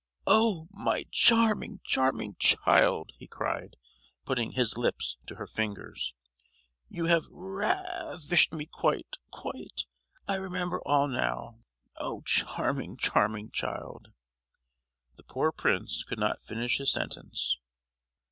"Oh, my charming, charming child," he cried, putting his lips to her fingers, "you have ra—vished me quite—quite! I remember all now. Oh charming, charming child!——" The poor prince could not finish his sentence.